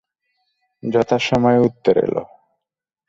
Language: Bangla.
যথাসময়ে উত্তর এল।